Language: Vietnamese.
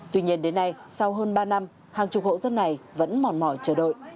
tuy nhiên đến nay sau hơn ba năm hàng chục hộ dân này vẫn mòn mỏi chờ đợi